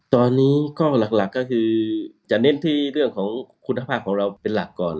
ตอนนี้ข้อหลักก็คือจะเน้นที่เรื่องของคุณภาพของเราเป็นหลักก่อน